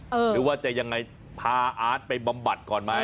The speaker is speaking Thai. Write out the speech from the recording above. หรือว่าจะยังไงพาอาร์ตไปบำบัดก่อนไหม